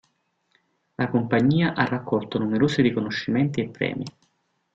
La compagnia ha raccolto numerosi riconoscimenti e premi.